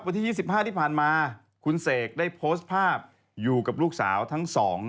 วันที่๒๕ที่ผ่านมาคุณเสกได้โพสต์ภาพอยู่กับลูกสาวทั้งสอง